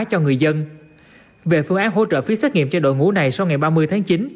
cho người dân về phương án hỗ trợ phí xét nghiệm cho đội ngũ này sau ngày ba mươi tháng chín